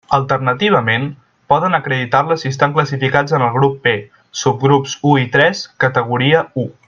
Alternativament, poden acreditar-la si estan classificats en el grup P, subgrups u i tres, categoria u.